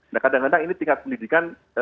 nah kadang kadang ini tingkat pendidikan